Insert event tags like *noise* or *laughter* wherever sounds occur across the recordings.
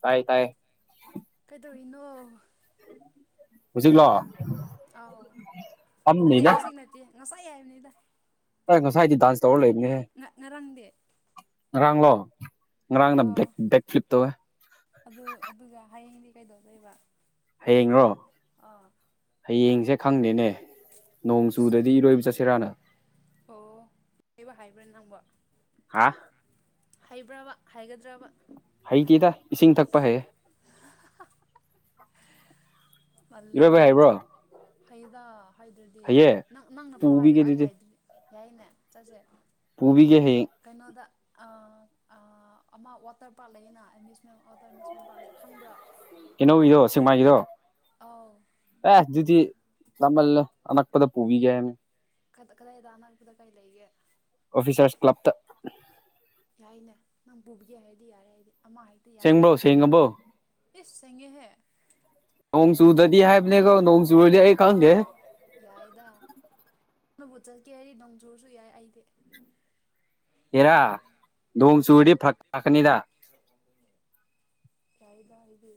ꯇꯥꯏ ꯇꯥꯏ ꯀꯩꯗꯧꯔꯤꯅꯣ ꯖꯤꯂꯣ ꯑꯥꯎ ꯐꯠꯇꯦ ꯍꯧꯖꯤꯛ ꯅꯠꯇꯦ ꯉꯁꯥꯏ ꯍꯥꯏꯕꯅꯤꯗ ꯑ ꯉꯁꯥꯏꯗꯤ ꯗꯥꯟꯁ ꯇꯧꯔ ꯂꯩꯕꯅꯦ ꯉꯥꯛꯅꯔꯝꯗꯦ ꯉꯔꯥꯡꯂꯣ ꯉꯔꯥꯡꯅ ꯑꯥ ꯕꯦꯛ ꯕꯦꯛ ꯐ꯭ꯂꯤꯞ ꯇꯧꯋꯦ ꯑꯗꯨ ꯑꯗꯨꯒ ꯍꯌꯦꯡꯗꯤ ꯀꯩꯗꯧꯗꯣꯏꯕ ꯍꯌꯦꯡꯔꯣ ꯑꯥ ꯍꯌꯦꯡꯁꯦ ꯈꯪꯗꯦꯅꯦ ꯅꯣꯡ ꯏꯁ ꯆꯨꯗꯗꯤ ꯏꯔꯣꯏꯕ ꯆꯠꯁꯤꯔꯥꯅ ꯑꯣ ꯍꯥꯏꯕ ꯍꯥꯏꯕ꯭ꯔꯥ ꯅꯪꯕ ꯍꯥ ꯍꯩꯕ꯭ꯔꯕ ꯍꯥꯏꯒꯗ꯭ꯔꯕ ꯍꯩꯇꯦꯗ ꯏꯁꯤꯡ ꯊꯛꯄ ꯍꯩꯌꯦ *inaudible* ꯃꯜꯦꯕ ꯏꯔꯣꯏꯕ ꯍꯩꯕ꯭ꯔꯣ ꯅꯪꯁꯦ ꯍꯩꯗ ꯍꯥꯏꯗ꯭ꯔꯗꯤ ꯍꯩꯌꯦ ꯅꯪ ꯅꯪꯅꯐꯥꯎ ꯄꯨꯕꯤꯒꯦ ꯍꯥꯏꯔꯤꯕ ꯑꯩ ꯑꯗꯨꯗꯤ ꯍꯥꯏꯗꯗꯤ ꯌꯥꯏꯅꯦ ꯆꯠꯁꯦ ꯄꯨꯕꯤꯒ ꯍ ꯀꯩꯅꯣꯗ ꯑꯃ ꯋꯥꯇꯔ ꯄꯥꯔꯛ ꯂꯩꯅꯃ꯭ꯌꯨꯁꯃꯦꯟ ꯋꯥꯇꯔ ꯑꯦꯃ꯭ꯌꯨꯁꯃꯦꯟ ꯄꯥꯔꯛ ꯂꯩ ꯈꯪꯕ꯭ꯔꯥ ꯏꯅꯣ ꯏꯗꯣ ꯁꯤꯁꯤꯡꯃꯥꯒꯤꯗꯣ ꯑꯥꯎ ꯑꯦ ꯑꯗꯨꯗꯤꯃꯜ ꯑꯅꯛꯄꯗ ꯄꯨꯕꯤꯒꯅꯦ ꯀꯗꯥꯏꯗ ꯑꯅꯛꯄꯗ ꯀꯩ ꯂꯩꯒꯦ ꯑꯣꯐꯤꯁꯔꯁ ꯀ꯭ꯂꯕꯇ ꯌꯥꯏꯅꯦ ꯅꯪ ꯄꯨꯕꯒꯦ ꯍꯥꯏꯔꯗꯤ ꯌꯥꯔꯦ ꯍꯥꯏꯗꯤ ꯑꯃ ꯍꯥꯏ ꯁꯦꯡꯕ꯭ꯔꯣ ꯁꯦꯡꯉꯕ꯭ꯔꯣ ꯏꯁ ꯆꯉꯦꯍ ꯅꯣꯡ ꯆꯨꯗꯗꯤ ꯍꯥꯏꯕꯅꯦꯀꯣ ꯅꯣꯡ ꯆꯨꯗꯤ ꯑꯩ ꯈꯪꯒꯦ ꯑꯥꯎ ꯌꯥꯏꯗ ꯅꯅꯕꯨ ꯆꯠꯀꯦ ꯍꯥꯏꯗꯤ ꯅꯣꯡ ꯆꯨꯔꯁꯨ ꯌꯥꯏ ꯑꯩꯗꯤ ꯏꯔꯥ ꯅꯣꯡ ꯆꯨꯔꯗꯤ ꯐꯛꯀꯅꯤꯗ ꯆꯗꯥ ꯏ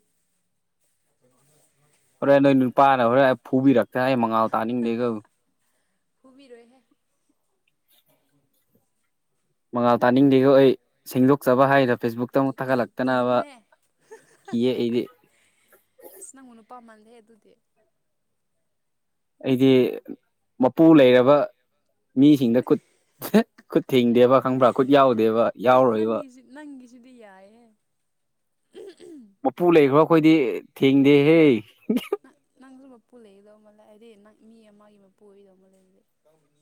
ꯍꯣꯔꯦꯟ ꯅꯣꯏ ꯅꯨꯄꯥꯅ ꯍꯣꯔꯦꯟ ꯐꯨꯕꯤꯔꯛꯇꯦ ꯑꯩ ꯃꯉꯥꯜ ꯇꯥꯅꯤꯡꯗꯦꯒ ꯍꯨꯃꯤꯔꯣꯏꯍꯦ ꯃꯉꯥꯜ ꯇꯥꯅꯤꯡꯗꯦꯒ ꯑꯩ ꯐꯨ ꯁꯦꯡꯗꯣꯛꯆꯕ ꯍꯥꯏꯗ ꯐꯦꯁꯕꯨꯛꯇ ꯀꯤ ꯑꯃꯨꯛ ꯀꯤ ꯊꯥꯒꯠꯂꯛꯇꯅꯕ ꯀꯤꯌꯦ ꯑꯩꯗꯤ ꯏꯁꯁ ꯅꯪꯉꯨꯅꯄꯥꯥꯝꯃꯜꯂꯦ ꯑꯗꯨꯗꯤ ꯑꯩꯗꯤ ꯃꯄꯨ ꯂꯩꯔꯕ ꯃꯤꯁꯤꯡꯗ ꯈꯨꯠ ꯈꯨꯠ ꯊꯤꯡꯗꯦꯕ ꯈꯪꯕ꯭ꯔꯥ ꯈꯨꯠ ꯌꯥꯎꯗꯦꯕ ꯌꯥꯎꯔ ꯅꯪꯁꯤ ꯅꯪꯁꯤ ꯖꯗꯤ ꯌꯥꯌꯦ ꯃꯄꯨ ꯂꯩꯈ꯭ꯔꯣ ꯑꯩꯈꯣꯏꯗꯤ ꯊꯦꯡꯗꯦꯍꯦ ꯅꯪ ꯅꯪꯁꯨ ꯃꯄꯨ ꯂꯩꯒꯗꯧꯃꯜ ꯂꯩ ꯍꯥꯏꯗꯤ ꯅꯪ ꯃꯤ ꯑꯃꯒꯤ ꯃꯄꯨ ꯑꯣꯏꯗꯧꯃ ꯂꯩ ꯑꯗꯨꯗꯤ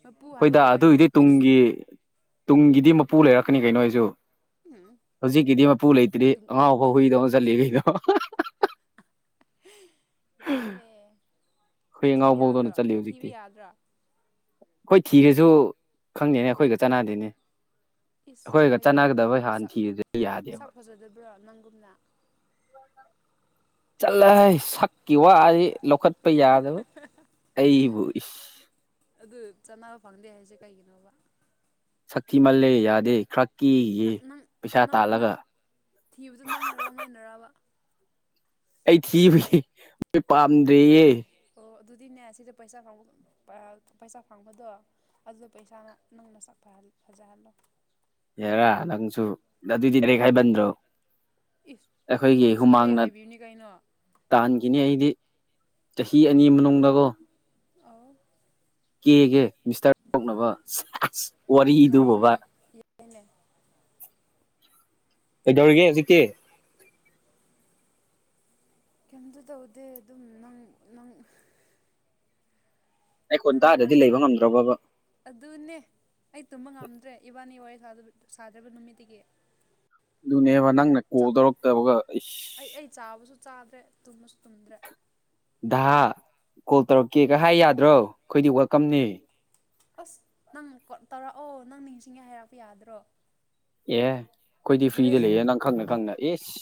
ꯃꯣꯏ ꯄꯨ ꯑꯩꯈꯣꯏꯗ ꯍꯥꯏꯨꯕ ꯀꯩꯅꯣ ꯑꯗꯨꯒꯤꯗꯤ ꯑꯦꯁ ꯇꯨꯡꯒꯤ ꯇꯨꯡꯒꯤꯗꯤ ꯃꯄꯨ ꯂꯩꯔꯛꯀꯅꯤ ꯀꯩꯅꯣ ꯑꯩꯁꯨ ꯎꯝ ꯍꯧꯖꯤꯛꯀꯤꯗꯤ ꯃꯄꯨ ꯂꯩꯇ꯭ꯔꯤ ꯇꯨꯡ ꯑꯉꯥꯎꯕꯥꯎ ꯇꯨꯡꯒꯤ ꯍꯨꯏꯗꯧ ꯅꯠꯇꯦ ꯆꯠꯂꯤꯈꯩꯗꯣ ꯌꯥꯏꯍꯦ ꯑꯩꯈꯣꯏ ꯊꯤꯕ ꯑꯉꯥꯎꯕꯧꯗꯧꯅ ꯌꯥꯗ꯭ꯔꯣ ꯆꯠꯂꯤ ꯊꯤꯕ ꯍꯧꯖꯤꯛꯇꯤ ꯌꯥꯗ꯭ꯔꯥ ꯑꯩꯈꯣꯏ ꯊꯤꯔꯦꯁꯨ ꯈꯪꯗꯦꯅꯦ ꯑꯩꯈꯣꯏꯒ ꯆꯅꯗꯦꯅꯦ ꯏꯁ ꯑꯩꯈꯣꯏꯒ ꯀꯩꯒꯤ ꯆꯥꯟꯅꯒꯗꯕ ꯍꯥꯟꯅ ꯁꯛ ꯊꯤꯕꯗꯤ ꯌꯥꯗꯦꯕ ꯁꯛ ꯐꯖꯗꯕ꯭ꯔꯣ ꯅꯪꯒꯨꯝꯅ ꯆꯠꯂ ꯁꯛꯀꯤ ꯋꯥꯗꯤ ꯂꯧꯈꯠꯄ ꯌꯥꯗꯕ ꯑꯩꯕꯨ ꯏꯁ ꯑꯗꯨ ꯆꯥꯟꯅꯕ ꯐꯪꯗꯦ ꯍꯥꯏꯁꯦ ꯀꯩꯒꯤꯅꯣꯕ ꯁꯛꯇꯤ ꯃꯜꯂꯦ ꯌꯥꯗꯦ ꯈ꯭ꯔ ꯅꯪ ꯅꯪ ꯅꯪ ꯅꯪ ꯊꯤꯕꯗꯨ ꯅꯪꯅꯔꯅꯔꯕ ꯑꯩ ꯊꯕ ꯑꯣꯣ ꯑꯣ ꯑꯗꯨꯗꯤꯅꯦ ꯁꯤꯗ ꯄꯩꯁꯥ ꯐꯪꯕ ꯄꯩꯁꯥ ꯐꯪꯕꯗꯣ ꯑꯗꯨꯗ ꯄꯩꯁꯥꯅ ꯪꯅ ꯐꯖꯍꯜꯂꯣ ꯍꯦꯔ ꯍꯗꯁꯨ ꯑꯗꯨꯏꯗꯤ ꯇꯔꯔꯤꯛ ꯍꯥꯏꯕꯟꯗ꯭ꯔꯣ ꯏꯁ ꯑꯩꯈꯣꯏꯒꯤ ꯅꯨꯡꯁꯤꯕꯩ ꯍꯨꯃꯥꯡꯅ ꯍꯥꯏꯕꯤꯕꯅꯤ ꯀꯩꯅꯣ ꯇꯥꯟꯈꯤꯅꯤ ꯑꯩꯗꯤ ꯆꯍꯤ ꯑꯅꯤ ꯃꯅꯨꯡꯗꯀꯣ ꯑ ꯀꯦꯒꯦ ꯃꯤꯁꯇꯔ ꯀꯣꯛꯅꯕ ꯋꯥꯔꯤꯗꯨ ꯕꯕꯥ ꯇꯩꯅ ꯗꯧꯔꯒꯦꯖꯤꯛ ꯀꯦ ꯀꯩꯝꯇ ꯇꯧꯗꯦ ꯑꯗꯨꯝ ꯅꯪ ꯅꯪ ꯑꯩ ꯈꯣꯟ ꯅꯪ ꯇꯥꯗ꯭ꯔꯗꯤ ꯋꯥꯔꯤꯔꯤ ꯂꯩꯕ ꯁꯥꯔꯤꯕ ꯉꯝꯗ꯭ꯔꯕꯕ ꯑꯗꯨꯅꯦ ꯑꯩ ꯇꯨꯝꯕ ꯉꯝꯗ꯭ꯔꯦ ꯏꯕꯥꯅꯤ ꯋꯥꯔꯤ ꯁꯥꯗ꯭ꯔꯔꯤꯕ ꯅꯨꯃꯤꯠꯇꯒꯤ ꯑꯗꯨꯅꯦꯕ ꯅꯪꯅ ꯀꯣꯜ ꯇꯧꯔꯛꯇꯕꯒ ꯏꯁ ꯑꯩ ꯑꯩ ꯆꯥꯕꯁꯨ ꯆꯥꯗ꯭ꯔꯦ ꯇꯨꯝꯃꯁꯨ ꯇꯨꯝꯗ꯭ꯔꯦ ꯍ ꯀꯣꯜ ꯇꯧꯔꯛꯀꯦ ꯀꯩ ꯍꯥꯏ ꯌꯥꯗ꯭ꯔꯣ ꯑꯩꯈꯣꯏꯗꯤ ꯋꯦꯜꯀꯝꯅꯤ ꯑꯁ ꯅꯪ ꯀ ꯇꯧꯔꯛꯑꯣ ꯅꯪ ꯅꯤꯡꯁꯤꯡꯉꯦ ꯍꯥꯏꯔꯛꯄ ꯌꯥꯗ꯭ꯔꯣ ꯑꯦ ꯑꯩꯈꯣꯏꯗꯤ ꯊꯣꯏ ꯐ꯭ꯔꯤꯗ ꯂꯩꯌꯦꯦ ꯅꯪ ꯈꯪꯅ ꯈꯪꯅ ꯑꯦꯁ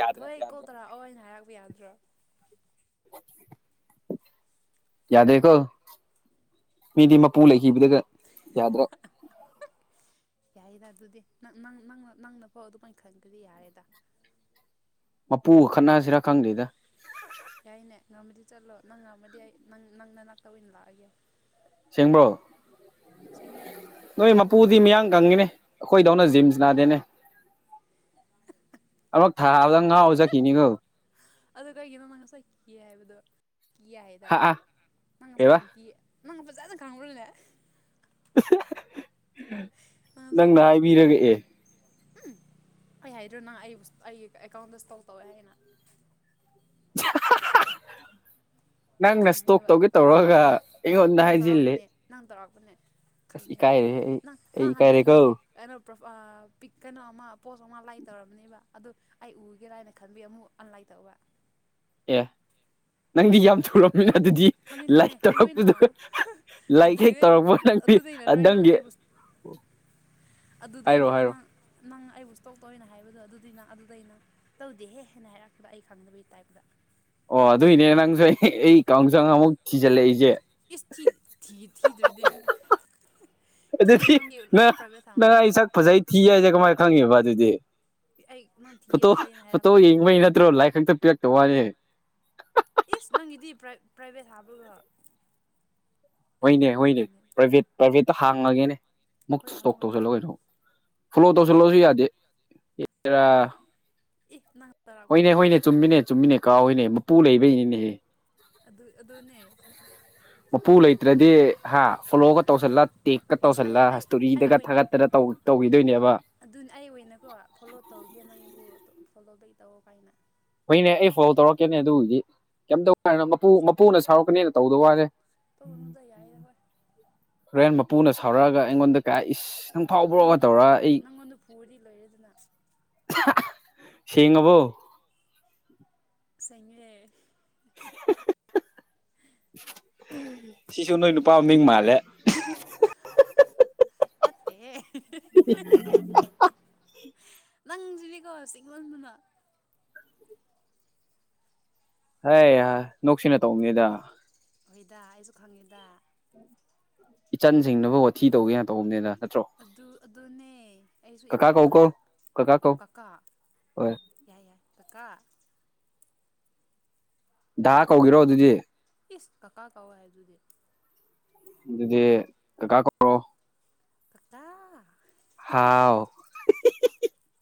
ꯌꯥꯗ꯭ꯔꯥ ꯌꯥꯗ꯭ꯔꯥ ꯑꯣ ꯑꯩꯅ ꯍꯥꯏꯔꯛꯄ ꯌꯥꯗ꯭ꯔꯣ *inaudible* ꯌꯥꯗ꯭ꯔꯦꯀꯣ ꯃꯤꯗꯤ ꯃꯄꯨ ꯂꯩꯈꯤꯕꯗꯒ ꯌꯥꯗ꯭ꯔꯥ ꯌꯥꯏꯗ ꯑꯗꯨꯗꯤ ꯅꯪ ꯅ ꯅꯪꯅꯐꯥꯎ ꯑꯗꯨꯃꯥꯏꯅ ꯈꯟꯒꯗꯤ ꯌꯥꯔꯦꯗ ꯃꯄꯨꯒ ꯈꯠꯅꯁꯤꯔꯥ ꯈꯪꯗ꯭ꯔꯦꯗ ꯌꯥꯏꯅꯦ ꯉꯔꯝꯃꯗꯤ ꯆꯠꯂꯣ ꯅꯪ ꯉꯔꯝꯃꯗꯤ ꯌꯥꯏ ꯅꯪ ꯅꯪꯅ ꯅꯛꯇ ꯑꯣꯏꯅ ꯂꯥꯛꯑꯒꯦ ꯆꯦꯡꯕꯣ ꯆꯉꯦ ꯅꯣꯏ ꯃꯄꯨꯗꯤ ꯃꯤꯌꯥꯡ ꯀꯪꯉꯤꯅꯦ ꯑꯩꯈꯣꯏꯗꯧꯅ ꯖꯤꯝꯁ ꯅꯥꯗꯦꯅꯦ ꯑꯃꯨꯛ ꯊꯥꯗꯪ ꯉꯍꯥꯥꯎꯖꯈꯤꯅꯤꯉꯣ ꯑꯗꯣ ꯀꯩꯒꯤꯅꯣ ꯃꯥꯪ ꯉꯁꯥꯏ ꯀꯤ ꯍꯥꯏꯕꯗꯣ ꯀꯤ ꯍꯥꯏꯇꯥꯔꯦ ꯍꯥ ꯅꯪ ꯉꯁꯥꯏ ꯀꯩꯕ ꯌꯥꯝ ꯀꯤꯌꯦ ꯃꯥꯪ ꯐꯖꯥꯗ ꯈꯥꯉꯂꯦ ꯅꯪ ꯍꯧꯖꯤꯛꯀꯣ ꯅꯪꯅ ꯍꯥꯏꯕꯤꯔꯒ ꯑꯦ ꯑꯩ ꯍꯥꯏꯗꯣꯏꯣꯅ ꯑꯩꯕꯨ ꯑꯩꯒꯤ ꯑꯦꯀꯥꯎꯟꯗ ꯁ꯭ꯇꯣꯛꯜ ꯇꯧꯋꯦ ꯍꯥꯏꯅ *inaudible* ꯅꯪꯅ ꯏꯁꯇꯣꯛ ꯈꯪꯉꯦꯕ ꯇꯧꯒꯦ ꯇꯧꯔꯒ ꯑꯩꯉꯣꯟꯗ ꯅꯪ ꯍꯥꯏꯖꯤꯜꯂꯤ ꯇꯧꯔꯛꯄꯅꯦ ꯅꯪ ꯇꯧꯔꯥꯛꯄꯅꯦ ꯈꯟꯉꯦꯕ ꯑꯩ ꯅꯪ ꯅ ꯑꯩ ꯍꯥꯟꯅ ꯏꯀꯥꯏꯔꯦꯀꯣ ꯑꯩꯒꯤ ꯀꯩꯅꯣ ꯄ꯭ꯔꯣ ꯄꯤꯛ ꯀꯩꯅꯣ ꯑꯃ ꯄꯣꯁ ꯑꯃ ꯂꯥꯏ ꯇꯧꯔꯕꯅꯦꯕ ꯑꯗ ꯑꯩ ꯎꯒꯦꯔꯥ ꯍꯥꯏꯅ ꯈꯟꯕꯤ ꯑꯃꯨꯛ ꯑꯟꯂꯥꯏ ꯇꯧꯕ ꯑꯦ ꯅꯪꯗꯤ ꯌꯥꯝ ꯊ ꯊꯨꯔꯝꯃꯤꯅ ꯈꯪ ꯑꯗꯨꯗꯤ ꯈꯪꯉꯦ ꯈꯪꯉꯦ ꯂꯥꯏꯔꯤꯛ ꯎꯑꯦꯅ ꯇꯧꯔꯛꯄꯗꯣ ꯂꯥꯏꯔꯤꯛ ꯍꯦꯛ ꯑꯗꯨꯗꯩ ꯇꯧꯔꯛꯄ ꯅ ꯑꯗꯨꯗꯩ ꯅꯠꯇ꯭ꯔꯣ ꯑꯩ ꯅꯪ ꯗꯪꯒꯦ ꯑꯩꯕꯨ ꯑꯗꯨꯗꯩꯅꯦꯕ ꯅꯪ ꯅꯪ ꯑꯩꯕꯨ ꯁ ꯇꯧ ꯇꯧꯅ ꯍꯥꯏꯕꯗꯣ ꯑꯗꯨꯗꯅ ꯑꯗꯨꯗꯩꯩꯅ ꯇꯧꯗꯦꯍꯦ ꯍꯥꯏꯅ ꯍꯥꯏꯔꯛꯈꯤꯕ ꯑꯩ ꯈꯪꯗꯕꯒꯤ ꯇꯥꯏꯞꯇ ꯑꯣ ꯑꯗꯨꯏꯅꯦ ꯅꯪꯁꯨ ꯑꯩ ꯑꯩ ꯀꯥꯡꯖꯪ ꯑꯃꯨꯛ ꯊꯤꯖꯤꯜꯂꯛꯏꯁꯦ ꯑꯦꯁ ꯊꯤ ꯊ ꯊꯤꯗ꯭ꯔꯗꯤꯦ ꯊꯤꯒ ꯑꯗꯨꯗꯤ ꯅꯣꯒꯦꯂꯣ ꯅꯪ ꯌꯥꯝꯟ ꯄ꯭ꯔꯥꯕꯦ ꯅꯪ ꯊꯥꯉꯝꯃꯦ ꯑꯩ ꯁꯛ ꯐꯖꯩ ꯊꯤ ꯍꯥꯏꯁꯦ ꯀꯃꯥꯏꯅ ꯈꯪꯉꯦꯕ ꯑꯗꯨꯗꯤ ꯑꯩ ꯅꯪ ꯊꯤꯌꯦ ꯐꯣꯇꯣ ꯐꯖꯩꯅ ꯐꯣꯇꯣ ꯍꯥꯏꯔꯛꯄ꯭ꯔꯥꯅꯦ ꯌꯦꯡꯕꯩ ꯅꯠꯇ꯭ꯔꯣ ꯂꯥꯏ ꯈꯛꯇ ꯄꯤꯔꯛꯇ ꯋꯥꯅꯦ ꯏꯁ ꯅꯪꯒꯤꯗꯤ ꯄ꯭ꯔ ꯄ꯭ꯔꯥꯏꯚꯦꯠ ꯍꯥꯕ꯭ꯔꯒ ꯍꯣꯏꯅꯦ ꯍꯣꯏꯅꯦ ꯈꯪꯒꯦ ꯄ꯭ꯔꯥꯏꯚꯦꯠ ꯄ꯭ꯔꯥꯏꯚꯦꯠꯇ ꯍꯥꯡꯉꯒꯦꯅꯦ ꯑꯃꯨꯛꯇ ꯍꯣꯏ ꯏꯁꯇꯣꯛ ꯍꯪꯉꯣ ꯇꯧꯁꯤꯜꯂꯣꯑꯣ ꯀꯩꯅꯣ ꯐꯣꯂꯣ ꯇꯧꯁꯤꯜꯂꯁꯨ ꯌꯥꯗꯦ ꯑꯦꯔ ꯏꯅ ꯍꯣꯏꯅꯦ ꯍꯣꯏꯅꯦ ꯆꯨꯝꯃꯤꯅꯦ ꯆꯨꯝꯃꯤꯅꯦ ꯀꯥꯎ ꯍꯣꯏꯅꯦ ꯃꯄꯨ ꯂꯩꯕꯩꯅꯤꯅꯦꯁꯦ ꯑꯗꯨ ꯑꯗꯨ ꯅꯦ ꯃꯄꯨ ꯂꯩꯇ꯭ꯔꯗꯤ ꯍꯥ ꯐꯣꯂꯣꯒ ꯇꯧꯁꯜꯂ ꯇꯦꯛꯀ ꯑꯁ ꯑꯩ ꯇꯧꯁꯜꯂ ꯑꯩ ꯑꯩ ꯍꯇꯣꯔꯤꯗꯒ ꯑꯣꯏꯅ ꯊꯥꯒꯠꯇꯔ ꯇꯧꯈꯤꯗꯣꯏꯅꯦꯕ ꯑꯗꯨꯅ ꯑꯩ ꯑꯣꯏꯅꯀꯣ ꯐꯣꯂꯣ ꯇꯧꯒꯦ ꯅꯪꯕꯨ ꯐꯣꯂꯣ ꯕꯦꯛ ꯇꯧꯋ ꯀꯥꯏꯅ ꯍꯣꯏꯅꯦ ꯑꯩ ꯐꯣꯂꯣ ꯇꯧꯔꯛꯀꯦꯅꯦ ꯑꯗꯨꯒꯤꯗꯤ ꯀꯩꯝꯇꯧꯅ ꯃꯄꯨ ꯃꯄꯨꯅ ꯁꯥꯎꯔꯛꯀꯅꯤꯅ ꯇꯧꯗ ꯋꯥꯂꯦ ꯊꯅꯨꯗ ꯌꯥꯏꯗ ꯐ ꯍꯣꯔꯦꯟ ꯃꯄꯨꯅ ꯁꯥꯎꯔꯛꯑꯒ ꯑꯩꯉꯣꯟꯗ ꯀꯌꯥ ꯏꯁ ꯅꯪ ꯐꯥꯎꯕ꯭ꯔꯣꯒ ꯅꯪꯉꯣꯟꯗ ꯇꯧꯔꯒ ꯑꯩ ꯅꯪꯉꯣꯟꯗ ꯄꯨꯔꯤ ꯂꯣꯏꯔꯦꯗꯅ ꯁꯤ ꯉꯕꯨ ꯁꯔꯦ ꯁꯤꯁꯨ ꯅꯣꯏ ꯅꯨꯄꯥ ꯃꯤꯡ ꯃꯥꯜꯂꯦ ꯑꯍꯥ ꯍꯥ ꯍꯥ ꯅꯥꯇꯦ ꯍꯦ ꯅꯪꯁꯤꯅꯦꯀꯣ ꯆꯤꯡꯃꯣꯟꯗꯨꯅ ꯍꯥꯏ ꯅꯨꯡꯁꯤꯅ ꯇꯧꯕꯅꯤꯗ ꯍꯣꯏꯗ ꯑꯩꯁꯨ ꯈꯪꯉꯤꯗ ꯏꯆꯟ ꯁꯤꯡꯅꯕ ꯋꯥꯊꯤ ꯇꯧꯒꯦ ꯇꯧꯕꯅꯤꯅ ꯑꯗꯨ ꯑꯗꯨꯅꯦ ꯑꯩꯁꯨ ꯀꯀꯥ ꯀꯧ ꯏꯕꯨꯡꯗ ꯀꯣ ꯑꯣ ꯀꯀꯥ ꯍꯣꯏ ꯌꯥꯏ ꯌꯥꯏ ꯀꯀꯥ ꯗꯥꯍ ꯀꯧꯔꯣ ꯑꯗꯨꯗꯤ ꯏꯁ ꯀꯀꯥ ꯀꯧꯏ ꯍꯥꯏꯗꯨꯗꯤ ꯑꯗꯨꯗꯤ ꯀ ꯀꯥ ꯀꯥꯀꯥ ꯍꯥꯎ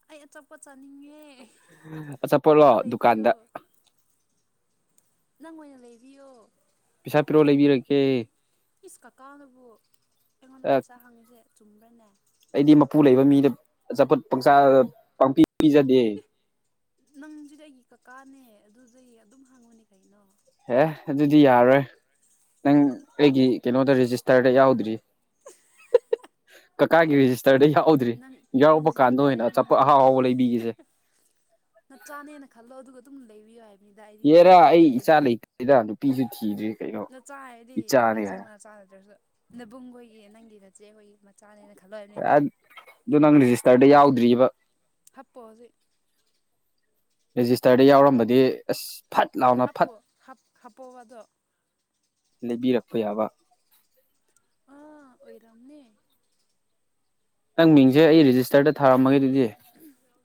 ꯑꯩ ꯑꯆꯥꯄ ꯆꯥꯅꯤꯡꯉꯦ ꯑꯆꯥꯄꯣꯠꯂꯣ ꯐ ꯂꯩꯕꯤꯌ ꯗꯨꯀꯥꯟꯗ ꯅꯪ ꯑꯣꯏꯅ ꯂꯩꯕꯤꯌꯣ ꯄꯩꯁꯥ ꯄꯤꯔꯣ ꯂꯩꯕꯤꯔꯀꯦ ꯏꯁ ꯀꯀꯥꯅꯕꯨ ꯑꯩꯉꯣꯟꯗ ꯄꯩꯁꯥ ꯍꯪꯉꯤꯁꯦ ꯆꯨꯝꯕ꯭ꯔꯅꯦ ꯑꯩꯗꯤ ꯃꯄꯨ ꯂꯩꯕ ꯃꯤꯗ ꯑꯆꯥꯐꯠ ꯄꯪꯆꯥ ꯄꯥꯛꯄꯤ ꯄꯤꯖꯗꯦ ꯅꯪꯁꯨꯗꯤ ꯑꯩꯒꯤ ꯀꯀꯥꯅꯦ ꯑꯗꯨꯁꯦ ꯑꯗꯨꯝ ꯍꯪꯉꯨꯅꯦ ꯀꯩꯅꯣ ꯑꯦꯦ ꯑꯗꯨꯗꯤ ꯌꯥꯔꯣꯏ ꯅꯪ ꯑꯩꯒꯤ ꯀꯩꯅꯣꯗ ꯔꯦꯖꯤꯁꯇꯔꯗ ꯌꯥꯎꯗ꯭ꯔꯤ *unintelligible* ꯀꯀꯥꯒꯤ ꯔꯦꯖꯤꯁꯇꯔꯗ ꯌꯥꯎꯧꯗ꯭ꯔꯤ ꯅꯪ ꯌꯥꯎꯔꯛꯕ ꯅꯪꯁꯤꯗꯤ ꯀꯥꯟꯗ ꯑꯣꯏꯅ ꯗꯥꯏꯔꯦꯛꯅꯦ ꯆꯞꯄ ꯑꯍꯥꯎ ꯑꯍꯥꯎꯕ ꯂꯩꯕꯤꯒꯁꯦ ꯅꯆꯥꯅꯦꯅ ꯈꯜꯂꯣ ꯑꯗꯨꯒ ꯑꯗꯨꯝ ꯂꯩꯕꯤꯌꯨ ꯍꯥꯏꯕꯅꯤꯗ ꯑꯩꯗꯤ ꯅꯪꯒꯤ ꯀꯣꯏ ꯑꯍꯦꯅꯤ ꯏꯗ ꯅꯨꯄꯤꯁꯨ ꯊꯤꯔꯤ ꯅꯆꯥ ꯍꯥꯏꯔꯗꯤ ꯅꯪꯒꯤ ꯑꯁꯦꯡꯕ ꯅꯆꯥ ꯅꯗ꯭ꯔꯁꯨ ꯅꯦꯕꯨꯡꯈꯣꯏꯒꯤ ꯅꯪꯒꯤ ꯅꯆꯦꯈꯣꯏꯒꯤ ꯆꯥꯂꯦꯅ ꯈꯜꯂꯣꯕꯅꯦ ꯊꯠ ꯑꯗꯨꯗꯣ ꯅꯪ ꯔꯦꯖꯤꯁꯇꯔꯗ ꯌꯥꯎꯗ꯭ꯔꯤꯕ ꯍꯥꯄ ꯍꯧꯖꯤꯛ ꯔꯦꯖꯤꯁꯇꯔꯗ ꯌꯥꯎꯔꯝꯕꯗꯤ ꯑꯁ ꯐꯠ ꯂꯥꯎꯅ ꯐꯠ ꯍꯞꯄꯨ ꯍꯞ ꯍꯞꯄꯗꯨ ꯂꯩꯕꯤꯔꯛꯄ ꯌꯥꯕ ꯑ ꯑꯣꯏꯔꯝꯅꯦ ꯅꯪ ꯃꯤꯡꯁꯦ ꯑꯩ ꯔꯦꯖꯤꯁꯇꯔꯗ ꯊꯥꯔꯝꯃꯒꯦ ꯑꯗꯨꯗꯤ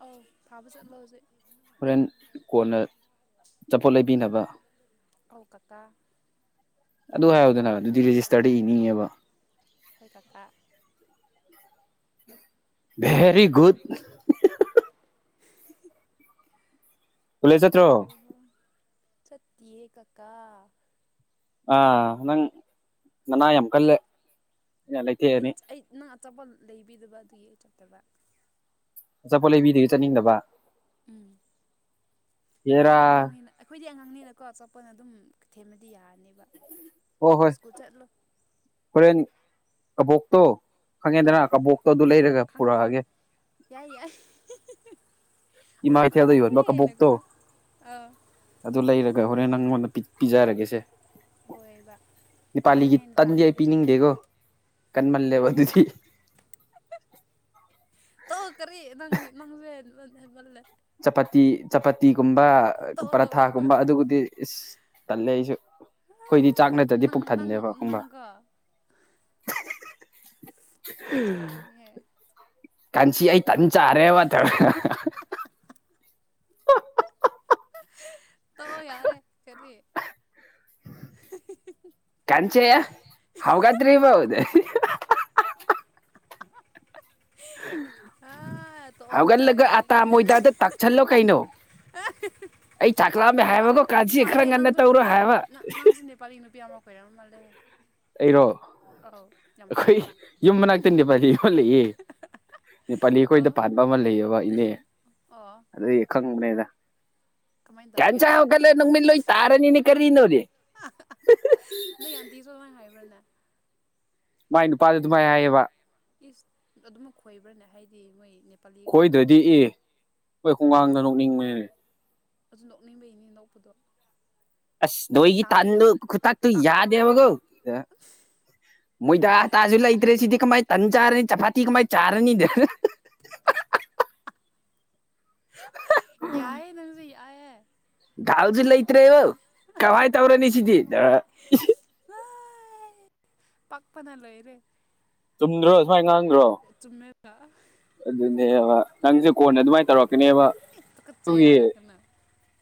ꯑꯧ ꯐꯥꯕ ꯆꯠꯂꯣ ꯍꯧꯖꯤꯛ ꯍꯣꯔꯦꯟ ꯀꯣꯟꯅ ꯆꯄꯣꯠ ꯂꯩꯕꯤꯅꯕ ꯀꯣꯜꯀꯇꯥ ꯑꯗꯨ ꯍꯥꯏꯔꯣꯗꯅ ꯑꯗꯨꯗꯤ ꯔꯦꯖꯤꯁꯇꯔꯗ ꯏꯅꯤꯡꯉꯦꯕ ꯍꯈꯣꯏ ꯀꯀꯥ ꯚꯦꯔꯤꯒꯨꯗ ꯀꯣꯂꯦꯖ ꯆꯠꯇ꯭ꯔꯣ ꯑꯣ ꯍꯣ ꯍꯣ ꯁꯇꯦ ꯀꯀꯥ ꯑ ꯅꯪ ꯅꯅꯥ ꯌꯥꯝꯝ ꯀꯜꯂꯦ ꯑꯩꯅ ꯑꯩ ꯂꯩꯊꯦꯛꯑꯅꯤ ꯑꯩ ꯅꯪ ꯑꯆꯥꯄꯣꯠ ꯂꯩꯕꯤꯗꯕ ꯑꯗꯨꯒꯤ ꯑꯩ ꯆꯠꯇꯕ ꯑꯆꯥꯄꯣꯠ ꯂꯩꯕꯤꯗꯦ ꯆꯠꯅꯤꯡꯗꯕ ꯎꯝ *inaudible* ꯍꯦꯔꯥ ꯑꯩꯈꯣꯏꯗꯤ ꯑꯉꯥꯡꯅꯤꯅ ꯑꯩꯈꯣꯏꯗꯤ ꯑꯉꯥꯡꯅꯤꯅꯀꯣ ꯑꯆꯥꯄꯣꯠꯅ ꯑꯗꯨꯝ ꯊꯦꯝꯃꯗꯤ ꯌꯥꯔꯅꯦꯕ ꯑꯣ ꯍꯣꯏ ꯁ꯭ꯀꯨꯜ ꯆꯠꯂꯣ ꯍꯣꯔꯦꯟ ꯑꯕꯣꯛꯇꯣ ꯑꯥ ꯈꯪꯉꯦꯗꯅ ꯀꯕꯣꯛꯇꯣ ꯑꯗꯨ ꯂꯩꯔꯒ ꯈꯪꯉꯦ ꯄꯨꯔꯛꯑꯒꯦ ꯈꯪꯉꯦ ꯌꯥꯏ ꯌꯥꯏ ꯑ ꯏꯃꯥ ꯌꯥꯝ ꯀꯩꯊꯦꯜꯗ ꯌꯣꯟꯕ ꯍꯔꯥꯎꯋꯦꯅ ꯀꯣ ꯀꯕꯣꯛꯇꯣ ꯑꯗꯨ ꯂꯩꯔꯒ ꯍꯣꯔꯦꯟ ꯅꯪꯉꯣꯟꯗ ꯄꯤꯖꯔꯒꯦꯁꯦ ꯍꯣꯏꯕ ꯅꯤꯄꯥꯂꯤꯒꯤ ꯑꯗꯨꯅꯦ ꯑꯩꯅ ꯇꯟꯗꯤ ꯑꯩ ꯇꯥꯅꯤꯡꯉꯤꯁꯦ ꯄꯤꯅꯤꯡꯗꯦꯀꯣ ꯀꯟꯃꯜꯂꯦꯕ ꯑꯗꯨꯗꯤ ꯇꯧ ꯀꯔꯤ ꯅꯪ *unintelligible* ꯆꯄꯇꯤ ꯆꯄꯇꯤꯒꯨꯝꯕ ꯇꯣꯛꯑꯣ ꯇꯣꯛꯑꯣ ꯄꯔꯊꯥꯒꯨꯝꯕ ꯑꯗꯨꯕꯨꯗꯤ ꯏꯁ ꯇꯜꯂꯦ ꯑꯩꯁꯨ ꯑꯩꯈꯣꯏꯗꯤ ꯆꯥꯛ ꯅꯠꯇ꯭ꯔꯗꯤ ꯅꯪ ꯄꯨꯛ ꯅꯪ ꯊꯟꯗꯦꯕ ꯈꯪꯕ꯭ꯔ ꯅꯪꯀꯣ *unintelligible* ꯀꯟꯁꯤ ꯑꯏ ꯇꯟꯆꯥ ꯆꯥꯔꯦꯕ *unintelligible* *inaudible* *unintelligible* *inaudible* ꯀꯟꯆꯦꯌꯥ ꯍꯧꯒꯠꯗ꯭ꯔꯤꯕꯣ *inaudible* *unintelligible* ꯍꯥꯥ ꯇꯣꯛꯑꯣ ꯇꯣꯛꯑꯣ ꯍꯧꯒꯠꯂꯒ ꯌꯥꯔꯦ ꯑꯇꯥ ꯃꯣꯏꯗꯥꯗ ꯇꯛꯁꯜꯂꯣ ꯀꯩꯅꯣ *unintelligible* ꯑꯩ ꯆꯥꯛꯂꯥꯝꯃꯦ ꯄꯥꯛꯑꯦ ꯍꯥꯏꯕꯀꯣ ꯀꯥꯖꯤ ꯈꯔ ꯄꯥꯛꯑꯦꯍꯦ ꯉꯟꯅ ꯅꯪꯁꯨ ꯇꯧꯔꯣ ꯍꯥꯏꯕ ꯅꯪ ꯅꯪꯁꯨ ꯅꯦꯄꯥꯂꯤ ꯅꯨꯄꯤ ꯑꯃ ꯀꯣꯏꯔꯝ ꯃꯥꯜꯂꯦ ꯑꯩꯔꯣ ꯑꯩꯈꯣꯏ ꯍꯥꯏꯌꯦꯕ ꯌꯨꯝ ꯃꯅꯥꯛꯇ ꯅꯦꯄꯥꯜꯂꯤ ꯑꯃ ꯂꯩꯌꯦ ꯅꯦꯄꯥꯂꯤ ꯑꯩꯈꯣꯏꯗ ꯑꯣ ꯄꯥꯟꯕ ꯑꯃ ꯂꯩꯌꯦꯕ ꯏꯅꯦ ꯑꯣ ꯑꯗꯨꯗꯒꯤ ꯈꯪꯕꯅꯦꯗ ꯀꯃꯥꯏꯅ ꯇꯧꯒꯦ *unintelligible* *unintelligible* ꯃꯥꯏ ꯅꯨꯄꯥꯗꯨ ꯑꯗꯨ ꯃꯥꯏ ꯍꯥꯏꯌꯦꯕ ꯏꯁ ꯑꯗꯨꯃꯛ ꯈꯣꯏꯕ꯭ꯔꯅꯦ ꯍꯥꯏꯗꯤ ꯃꯣꯏ ꯅꯦꯄꯥꯂꯤ ꯈꯣꯏꯗ꯭ꯔꯗꯤ ꯑꯦ ꯑꯩꯈꯣꯏ ꯈꯨꯡꯉꯥꯡꯗꯣ ꯅꯣꯛꯅꯤꯡꯕꯅꯤꯅꯦ ꯑꯗꯨ ꯅꯣꯛꯅꯤꯡꯕꯩꯅꯦ ꯅꯣꯛꯄꯗꯣ ꯑꯁ ꯅꯣꯏꯒꯤ ꯇꯥꯕꯗ ꯇꯟꯗꯨ ꯌꯥꯝ ꯈꯨꯇꯛꯇꯨ ꯇꯥ ꯌꯥꯗꯦꯕꯒꯣ ꯃꯣꯏꯗ ꯑꯥ ꯇꯥꯁꯨ ꯂꯩꯇ꯭ꯔꯦ ꯁꯤꯗꯤ ꯀꯃꯥꯏꯅ ꯇꯟ ꯆꯥꯔꯅꯤ ꯆꯐꯥꯇꯤ ꯀꯃꯥꯏꯅ ꯆꯥꯔꯅꯤꯗ ꯌꯥꯏꯌꯦ ꯅꯪꯁꯨ ꯌꯥꯏꯌꯦ ꯗꯥꯜꯁꯨ ꯂꯩꯇ꯭ꯔꯦꯕ ꯀꯃꯥꯏ ꯇꯧꯔꯅꯤ ꯁꯤꯗꯤ *unintelligible* ꯄꯛꯄꯅ ꯂꯣꯏꯔꯦ ꯆꯨꯝꯗ꯭ꯔꯣ ꯁꯨꯃꯥꯏ ꯉꯥꯡꯗ꯭ꯔꯣ ꯆꯨꯝꯃꯦꯕ ꯑꯗꯨꯅꯦꯕ ꯅꯪꯁꯦ ꯀꯣꯟꯅ ꯑꯗꯨꯃꯥꯏꯅ ꯇꯧꯔꯛꯀꯅꯦꯕ *unintelligible* ꯇꯨꯀꯠꯆꯩ ꯑꯗꯨꯒꯤ ꯍꯥꯏꯔꯛꯀꯅꯣ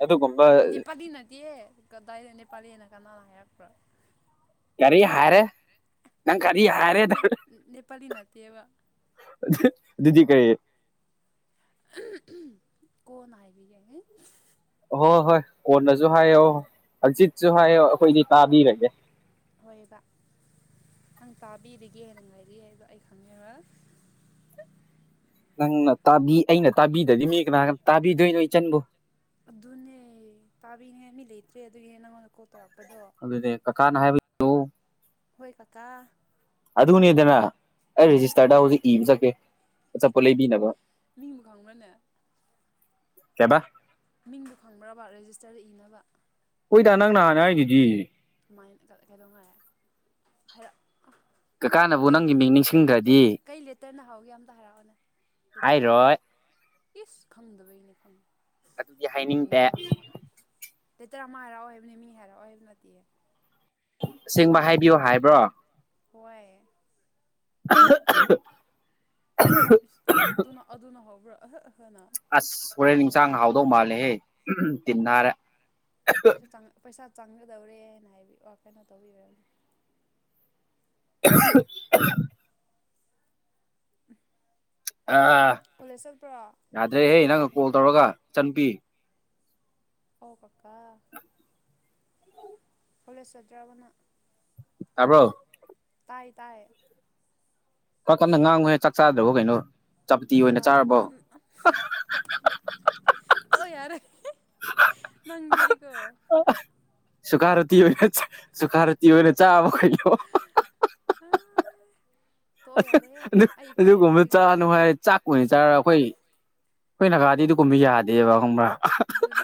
ꯑꯗꯨꯒꯨꯝꯕ *inaudible* ꯅꯤꯄꯥꯗꯤ ꯅꯠꯇꯤꯌꯦ ꯀꯗꯥꯏꯗ ꯅꯦꯄꯥꯂꯤꯅ ꯀꯅꯥꯅ ꯍꯥꯏꯔꯛꯄ꯭ꯔꯥ ꯀꯔꯤ ꯍꯥꯏꯔꯦ ꯅꯪ ꯀꯔꯤ ꯍꯥꯏꯔꯦꯗ ꯅꯦꯄꯥꯂꯤ *unintelligible* ꯅꯠꯇꯦꯕ *unintelligible* ꯑꯗꯨꯗꯤ ꯀꯔꯤ *unintelligible* ꯀꯣꯟꯅ ꯍꯥꯏꯕꯤꯒꯦ ꯑꯍꯣꯏ ꯍꯣꯏ ꯀꯣꯟꯅꯖꯨ ꯍꯥꯏꯌꯣ ꯍꯖꯤꯠꯁꯨ ꯍꯥꯏꯌꯣ ꯑꯩꯈꯣꯏꯗꯤ ꯍꯣꯏ ꯇꯥꯕꯤꯔꯒꯦ ꯍꯣꯏꯕ ꯅꯪ ꯇꯥꯕꯤꯔꯤꯒꯦ ꯅ ꯉꯥꯏꯔꯤ ꯍꯥꯏꯕ ꯑꯩ ꯈꯪꯉꯦꯕ ꯅꯪꯅ ꯇꯥꯕꯤ ꯑꯩꯅ ꯇꯥꯕꯤꯗꯗꯤ ꯃꯤ ꯀꯅꯥꯒ ꯇꯥꯕꯤꯗꯣꯏꯅꯣ ꯏꯆꯟꯕꯨ ꯑꯗꯨꯅꯦ ꯇꯥꯕꯤꯅꯤꯡꯉꯥꯏ ꯃꯤ ꯂꯩꯇ꯭ꯔꯦ ꯑꯗꯨꯒꯤꯅꯦ ꯅꯪꯉꯣꯟꯗ ꯀꯣꯜ ꯇꯧꯔꯛꯄꯗꯣ ꯑꯗꯨꯗꯤ ꯀꯀꯥꯅ ꯍꯥꯏꯕ ꯍꯣꯏ ꯀꯀꯥ ꯑꯗꯨꯅꯦꯗꯅ ꯑꯩ ꯔꯦꯖꯤꯁꯇꯥꯔꯗ ꯍꯧꯖꯤꯛ ꯏꯕ ꯆꯠꯀꯦ ꯆꯥꯄꯣ ꯂꯩꯕꯤꯅꯕ ꯃꯤꯡꯕꯨ ꯈꯪꯕ꯭ꯔꯅꯦ ꯀꯩꯕ ꯃꯤꯡꯗꯣ ꯈꯪꯕ꯭ꯔꯕ ꯔꯦꯖꯤꯁꯇꯔꯗ ꯏꯅꯕ ꯍꯣꯏꯗ ꯅꯪꯅ ꯍꯥꯟꯅ ꯍꯥꯏꯒꯤꯗꯤ ꯁꯨꯃꯥꯏꯅ ꯀꯩꯗꯧꯉꯥꯏꯦ ꯀꯀꯥꯅꯕꯨ ꯅꯪꯒꯤ ꯃꯤꯡ ꯍꯥꯏꯔꯛ ꯅꯤꯡꯁꯤꯡꯗ꯭ꯔꯗꯤ ꯀꯩ ꯂꯦꯇꯔꯅ ꯍꯥꯎꯒꯦ ꯌꯥꯝꯇ ꯍꯔꯥꯎꯑꯣꯅꯦ ꯂꯩꯇ ꯑꯃꯛ ꯍꯥꯏꯔꯣꯏ ꯏꯁ ꯈꯪꯗꯕꯒꯤꯅꯦ ꯈꯪꯉꯦ ꯑꯗꯨꯗꯤ ꯍꯥꯏꯅꯤꯡꯗꯦ ꯑꯣꯏꯗꯕ ꯉꯥꯡꯉꯦ ꯂꯩꯦꯇꯔ ꯑꯃ ꯍꯥꯏꯔꯛꯑꯣ ꯍꯥꯏꯕꯅꯤ ꯃꯤ ꯍꯥꯏꯔꯛꯑꯣ ꯍꯥꯏꯕ ꯅꯠꯇꯦ ꯑꯁꯦꯡꯕ ꯍꯥꯏꯕꯤꯌꯣ ꯍꯥꯏꯕ꯭ꯔꯣ ꯍꯏ ꯑꯗꯨꯅ ꯑꯗꯨꯅ ꯍꯧꯕ꯭ꯔꯥ ꯑꯍ ꯑꯍꯅ ꯑꯁ ꯍꯣꯔꯦꯟ ꯏꯟꯁꯥꯡ ꯍꯥꯎꯗꯧ ꯃꯥꯜꯂꯦꯍꯦ ꯇꯤꯟꯟꯅꯔꯦ ꯩ ꯄꯩꯁꯥ ꯆꯪꯒꯗꯧꯔꯦꯅ ꯍꯥꯏꯕꯤ ꯀꯩꯅꯣ ꯇꯧꯕꯤꯔꯝꯅꯦ ꯍꯦ ꯑ ꯀꯣꯂꯦꯖ ꯆꯠꯠꯇ꯭ꯔꯣ ꯌꯥꯗ꯭ꯔꯦꯍꯦ ꯆꯠꯇ꯭ꯔꯣ ꯅꯪꯒ ꯀꯣꯜ ꯇꯧꯔꯒ ꯆꯟꯕꯤ ꯍ ꯀꯀꯥ ꯀꯣꯂꯦꯖ ꯆꯠꯇ꯭ꯔꯕꯅ ꯇꯥꯔꯕ꯭ꯔꯣ ꯇꯥꯏ ꯇꯥꯏ ꯀ ꯀꯟꯅ ꯉꯥꯡꯉꯨ ꯍꯦ ꯆꯥꯛ ꯆꯥꯗ꯭ꯔꯕꯣ ꯀꯩꯅꯣ ꯆꯥꯄꯇꯤ ꯑꯣꯏꯅ ꯆꯥꯛꯆꯥꯥꯛꯗ ꯆꯥꯔꯕꯣ ꯅ ꯇꯧꯑꯣ ꯌꯥꯔꯦ ꯅꯪꯗꯨꯨꯗꯤꯀꯣ ꯁꯨꯀꯥꯔꯇꯤ ꯑꯣꯏꯅ ꯁꯨꯀꯥꯔꯨꯇꯤ ꯑꯣꯏꯅ ꯆꯥꯕ ꯀꯩꯅꯩꯅꯣ ꯑꯥ ꯇꯣꯛꯑꯣ ꯌꯥꯔꯦꯍꯦ ꯑꯩ ꯏꯀꯥꯏꯔꯦ ꯑꯗꯨꯒꯨꯝꯕ ꯆꯥ ꯍꯧꯖꯤꯛꯇꯤ ꯅꯨꯡꯉꯥꯏꯔ ꯆꯥꯛ ꯀ ꯑꯣꯏꯅ ꯆꯥꯔꯒ ꯑꯩꯈꯣꯏ ꯑꯩꯈꯣꯏ ꯅꯥꯒꯥꯗꯤ ꯑꯗꯨꯒꯨꯝꯕ ꯌꯥꯗꯦꯕ ꯈꯨꯝꯕ꯭ꯔꯥ ꯑꯗꯨ